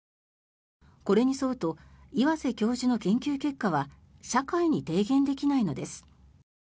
これに沿うと岩瀬教授の研究結果は社会に提言できないのです。